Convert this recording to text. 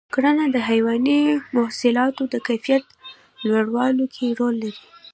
کرنه د حیواني محصولاتو د کیفیت لوړولو کې رول لري.